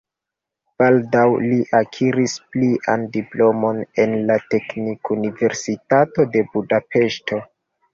Baldaŭ li akiris plian diplomon en la Teknikuniversitato de Budapeŝto.